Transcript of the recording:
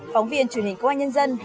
phóng viên truyền hình công an nhân dân